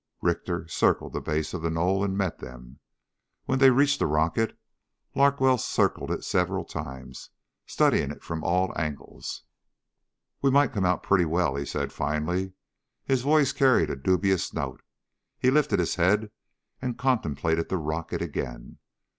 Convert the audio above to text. Richter circled the base of the knoll and met them. When they reached the rocket, Larkwell circled it several times, studying it from all angles. "We might come out pretty well," he said finally. His voice carried a dubious note. He lifted his head and contemplated the rocket again.